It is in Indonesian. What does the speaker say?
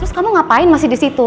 terus kamu ngapain masih di situ